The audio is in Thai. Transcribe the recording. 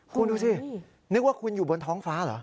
คุณดูสินึกว่าคุณอยู่บนท้องฟ้าเหรอ